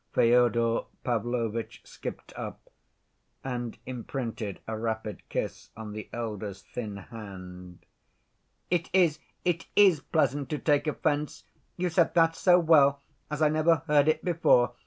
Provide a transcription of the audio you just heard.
Fyodor Pavlovitch skipped up, and imprinted a rapid kiss on the elder's thin hand. "It is, it is pleasant to take offense. You said that so well, as I never heard it before.